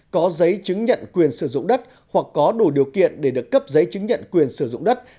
có giấy chứng nhận quyền sử dụng đất hoặc có đủ điều kiện để được cấp giấy chứng nhận quyền sử dụng đất